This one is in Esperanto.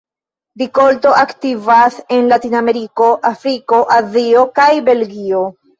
Rikolto aktivas en Latinameriko, Afriko, Azio kaj Belgio.